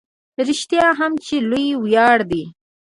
رښتیا هم چې لوی ویاړ دی.